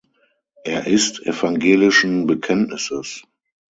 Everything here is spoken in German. Er ist evangelischen Bekenntnisses.